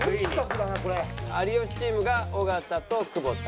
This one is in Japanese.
有吉チームが尾形と久保田。